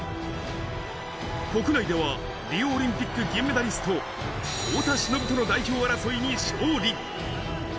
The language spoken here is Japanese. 国内ではリオオリンピック銀メダリスト、太田忍との代表争いに勝利。